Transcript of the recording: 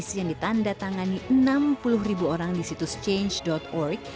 pada bulan september lalu adanya gerakan petisi yang ditanda tangani enam puluh ribu orang di situs change org